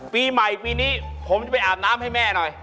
ปีใหม่ปีนี้ผมจะไปอาบน้ำให้แม่หน่อย